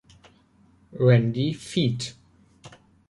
Randy feat.